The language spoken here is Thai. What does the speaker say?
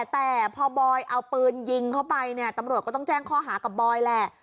แต่พอบอยเอาปืนยิงเข้าไปเนี่ยตำรวจก็ต้องแจ้งข้อหากับบอยแหละ